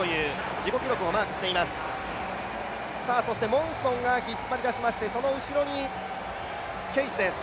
モンソンが引っ張り出しましてその後ろにケイスです。